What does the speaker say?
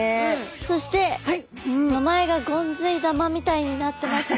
そして名前がゴンズイ玉みたいになってますね。